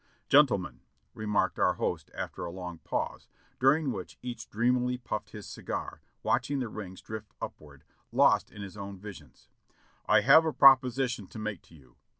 "Gentlemen," remarked our host after a long pause, during which each dreamily puffed his cigar, watching the rings drift upward, lost in his own visions, "I have a proposition to make to you.